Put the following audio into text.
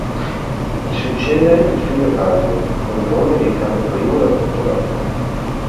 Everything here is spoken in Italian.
Gli succede il figlio Carlo, col nome di Carlo I del Portogallo.